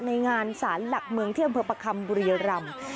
ในงานสารหลักเมืองเที่ยวเปอร์ปะคัมบุรียรำ